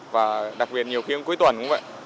và đặc biệt nhiều khi cũng cuối tuần cũng vậy